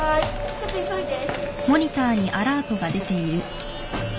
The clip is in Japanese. ちょっと急いで。